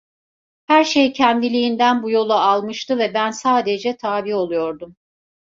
Her şey kendiliğinden bu yolu almıştı ve ben sadece tabi oluyordum.